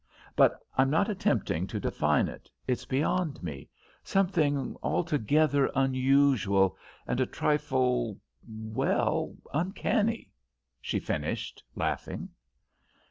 But I'm not attempting to define it; it's beyond me; something altogether unusual and a trifle well, uncanny," she finished, laughing.